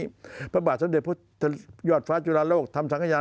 เพราะเหตุนี้พระบาทสำเร็จพุทธยอดฟ้าจุฬาโลกทำสังขยาน